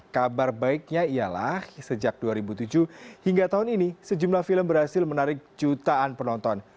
kabar baiknya ialah sejak dua ribu tujuh hingga tahun ini sejumlah film berhasil menarik jutaan penonton